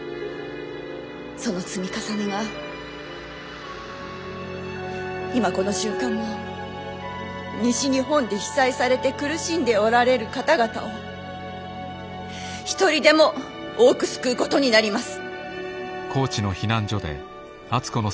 その積み重ねが今この瞬間も西日本で被災されて苦しんでおられる方々を一人でも多く救うことになります。